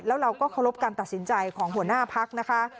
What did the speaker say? แล้วเราก็เคารพการตัดสินใจของหัวหน้าพักนะคะ